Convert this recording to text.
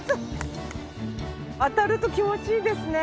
当たると気持ちいいですね。